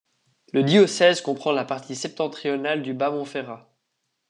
Le diocèse comprend la partie septentrionale du Bas-Monferrat.